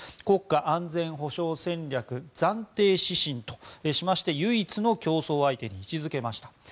国家安全保障戦略暫定指針としまして唯一の競争相手に位置付けました。